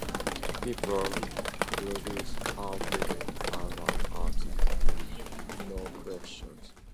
Peel produced her debut album "Ask Me No Questions".